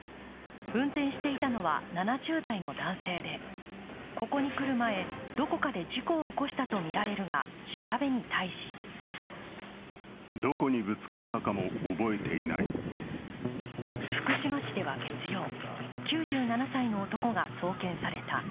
運転していたのは７０代の男性で、ここに来る前、どこかで事故を起こしたとみられるが調べに対し福島市では月曜、９７歳の男が送検された。